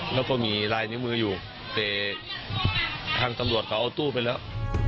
แล้วก็มีลายนิ้วมืออยู่แต่ทางตำรวจเขาเอาตู้ไปแล้ว